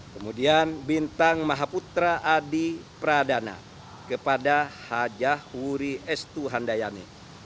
kemudian bintang mahaputra adi pradana kepada hajah wuri estu handayani